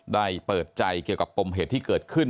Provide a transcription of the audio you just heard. เปิดใจเกี่ยวกับปมเหตุที่เกิดขึ้น